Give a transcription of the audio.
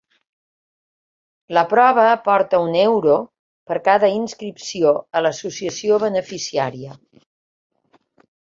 La prova aporta un euro per cada inscripció a l’associació beneficiària.